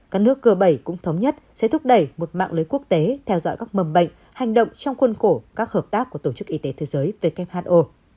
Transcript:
các nước g bảy cũng thống nhất sẽ thúc đẩy một mạng lưới quốc tế theo dõi các mầm bệnh hành động trong khuôn khổ các hợp tác của tổ chức y tế thế giới who